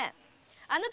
あなた